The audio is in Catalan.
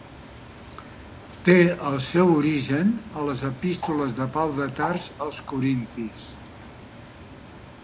Té el seu origen a les epístoles de Pau de Tars als corintis.